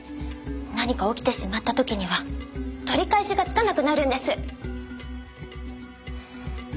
何か起きてしまった時には取り返しがつかなくなるんです！